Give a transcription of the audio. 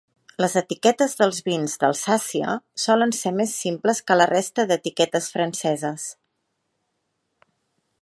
Les etiquetes dels vins d'Alsàcia solen ser més simples que la resta d'etiquetes franceses.